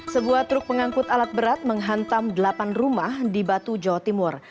sebuah truk pengangkut alat berat menghantam delapan rumah di batu jawa timur